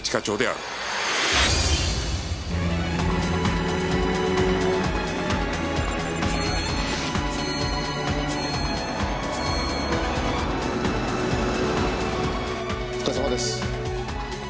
お疲れさまです。